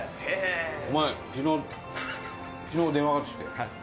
お前、昨日昨日、電話かかってきて。